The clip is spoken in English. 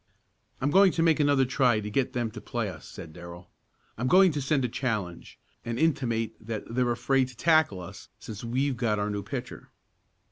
"I'm going to make another try to get them to play us," said Darrell. "I'm going to send a challenge, and intimate that they're afraid to tackle us since we've got our new pitcher."